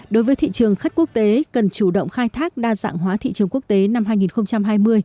đối với thị trường khách quốc tế cần chủ động khai thác đa dạng hóa thị trường quốc tế năm hai nghìn hai mươi